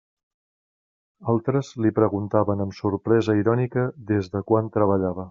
Altres li preguntaven amb sorpresa irònica des de quan treballava.